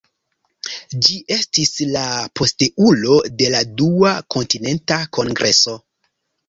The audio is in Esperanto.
Ĝi estis la posteulo de la Dua Kontinenta Kongreso.